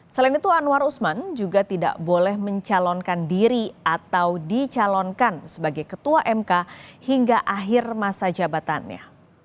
selain itu anwar usman juga tidak boleh mencalonkan diri atau dicalonkan sebagai ketua mk hingga akhir masa jabatannya